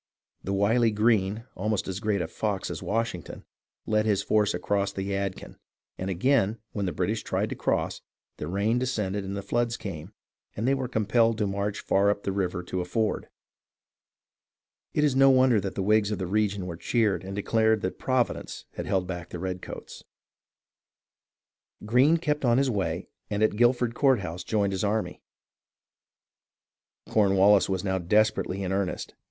The wily Greene, almost as great a "fox" as Washington, led his force across the Yadkin, and again when the British tried to cross, the rain descended and the floods came, and they were compelled to march far up the river to a ford. It is no wonder that the Whigs of the region were cheered and declared that Providence had held back the redcoats. Greene kept on his way and at Guilford Courthouse joined his army. Cornwallis was now desperately in earnest.